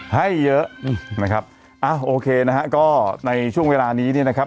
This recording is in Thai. ให้เยอะนะครับอ่ะโอเคนะฮะก็ในช่วงเวลานี้เนี่ยนะครับ